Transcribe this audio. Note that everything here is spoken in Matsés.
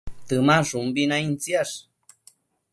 Temashumbi naidtsiash